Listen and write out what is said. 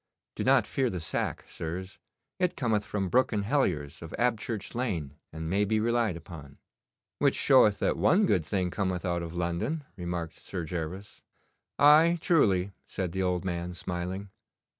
Do not fear the sack, sirs. It cometh from Brooke and Hellier's of Abchurch Lane, and may be relied upon.' 'Which showeth that one good thing cometh out of London,' remarked Sir Gervas. 'Aye, truly,' said the old man, smiling.